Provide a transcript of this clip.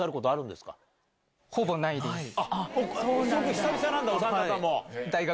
久々なんだお三方も。